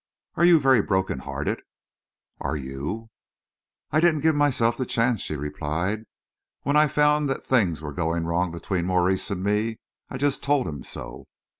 "Are you very broken hearted?" "Are you?" "I didn't give myself the chance," she replied, "When I found that things were going wrong between Maurice and me, I just told him so."